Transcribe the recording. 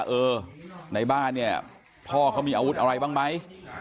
เออในบ้านเนี่ยพ่อเขามีอาวุธอะไรบ้างไหม